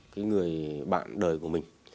cái người bạn đời của mình